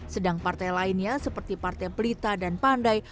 sedang partai lainnya seperti partai pelita dan pandai